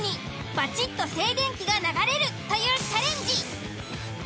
バチッと静電気が流れるというチャレンジ。